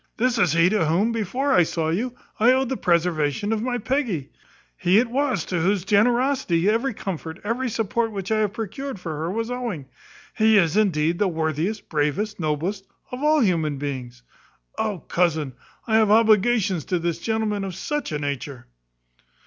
This is he to whom, before I saw you, I owed the preservation of my Peggy. He it was to whose generosity every comfort, every support which I have procured for her, was owing. He is, indeed, the worthiest, bravest, noblest; of all human beings. O cousin, I have obligations to this gentleman of such a nature!"